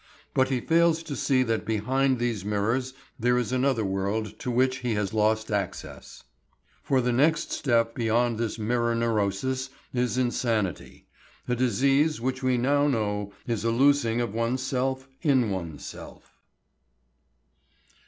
But he fails to see that behind these mirrors there is another world to which he has lost access. For the next step beyond this mirror neurosis is insanity, a disease which we now know is a losing of oneself in oneself.